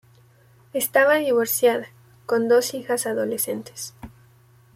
Estaba divorciada, con dos hijas adolescentes.